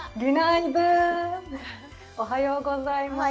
おはようございます。